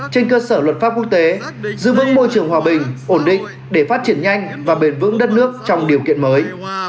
trên cơ sở luật pháp quốc tế giữ vững môi trường hòa bình ổn định để phát triển nhanh và bền vững đất nước trong điều kiện mới